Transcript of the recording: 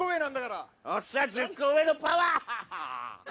よっしゃあ１０個上のパワーハッハ！